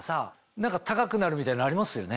何か高くなるみたいなのありますよね？